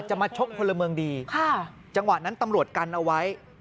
มาชกพลเมืองดีค่ะจังหวะนั้นตำรวจกันเอาไว้